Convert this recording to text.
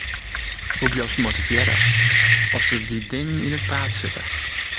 Hoe bliuwst motivearre as der dy dingen yn it paad sitte?